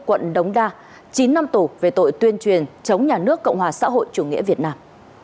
quận đống đa chín năm tù về tội tuyên truyền chống nhà nước cộng hòa xã hội chủ nghĩa việt nam